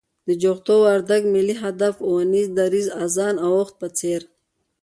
د جغتو، وردگ، ملي هدف اونيزه، دريځ، آذان او عهد په څېر